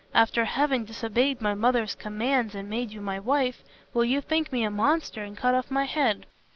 After having disobeyed my mother's commands and made you my wife, will you think me a monster and cut off my head?